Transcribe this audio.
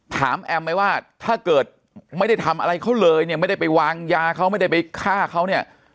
แอมไหมว่าถ้าเกิดไม่ได้ทำอะไรเขาเลยเนี่ยไม่ได้ไปวางยาเขาไม่ได้ไปฆ่าเขาเนี่ย